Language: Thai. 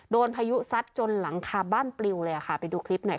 พายุซัดจนหลังคาบ้านปลิวเลยค่ะไปดูคลิปหน่อยค่ะ